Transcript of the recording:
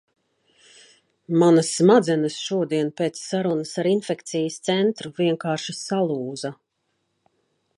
Manas smadzenes šodien pēc sarunas ar infekcijas centru vienkārši salūza...